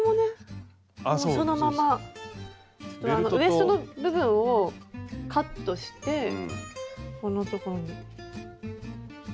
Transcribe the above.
ウエストの部分をカットしてこの所にね？